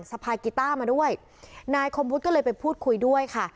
พายกีต้ามาด้วยนายคมวุฒิก็เลยไปพูดคุยด้วยค่ะ